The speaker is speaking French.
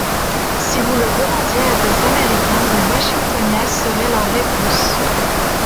Si vous le demandiez à des Américains: « des Washingtonias » serait leur réponse.